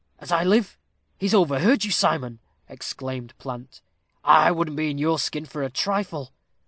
"As I live, he's overheard you, Simon," exclaimed Plant. "I wouldn't be in your skin for a trifle."